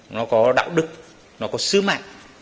nó có đạo đức nó có sứ mạng